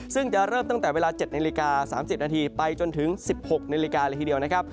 ซึ่งจะเริ่มตั้งแต่เวลา๗นาฬิกา๓๐นาทีไปจนถึง๑๖นาฬิกาเลยทีเดียวนะครับ